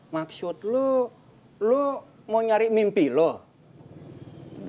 maksud lu lu mau nyari mimpi lu